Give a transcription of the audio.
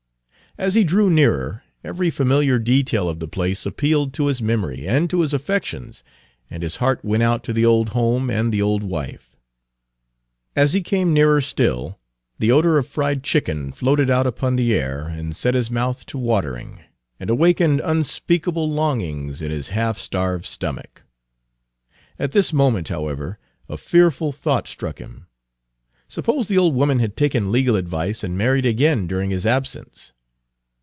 As he drew nearer, every familiar detail of the place appealed to his memory and to his affections, and his heart went out to the old home and the old wife. As he came nearer still, the odor of fried chicken floated out upon the air and set his mouth to watering, Page 263 and awakened unspeakable longings in his half starved stomach. At this moment, however, a fearful thought struck him; suppose the old woman had taken legal advice and married again during his absence?